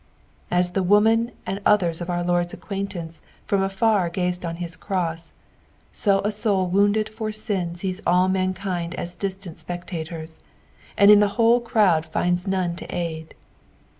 ''' As the women and others of our Lord's acquaint ances from afar gased on hia cross, ao a aoul wounded for sin sees all mankind as distant spectators, and in the whole crowd finds none to aid.